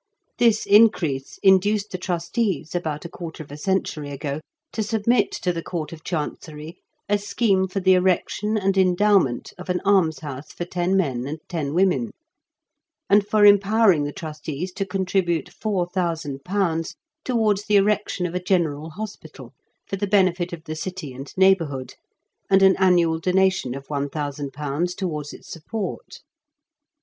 This increase induced the trustees, about a quarter of a century ago, to submit to the Court of Chancery a scheme for the erection and endowment of an almshouse for ten men and ten women, and for empower ing the trustees to contribute four thousand pounds towards the erection of a general hospital for the benefit of the city and neighbourhood, and an annual donation of one thousand pounds towards its support.